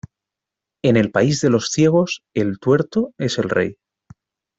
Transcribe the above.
En el país de los ciegos el tuerto es el rey.